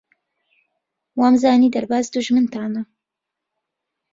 وامزانی دەرباز دوژمنتانە.